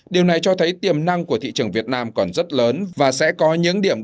điều này cho thấy tiềm năng của thị trường việt nam còn rất lớn